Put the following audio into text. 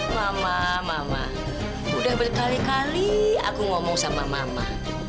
mama mama udah berkali kali aku ngomong sama mama